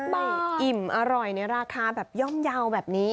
ไปอิ่มอร่อยในราคาแบบย่อมเยาว์แบบนี้